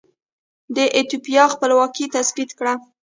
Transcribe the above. د ایتوپیا خپلواکي تثبیت کړه.